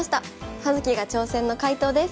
「葉月が挑戦！」の解答です。